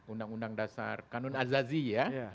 undang undang dasar kanun azazi ya